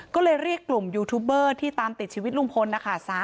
ก็เลยเรียกกลุ่มยูทูบเบอร์ที่ตามติดชีวิตลุงพลนะคะ